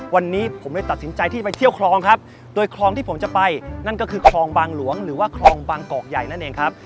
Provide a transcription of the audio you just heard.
วันนี้ผมเลยตัดสินใจที่ไปเที่ยวคลองครับโดยคลองที่ผมจะไปนั่นก็คือคลองบางหลวงหรือว่าคลองบางกอกใหญ่นั่นเองครับ